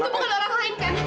itu bukan orang lain kan